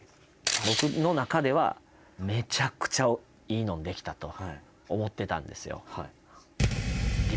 僕の中ではめちゃくちゃいいの出来たと思ってたんですよ。